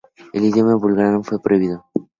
El idioma búlgaro fue prohibido.